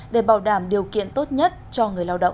để bảo đảm điều kiện tốt nhất cho người lao động